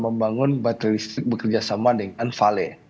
membangun baterai listrik bekerja sama dengan vale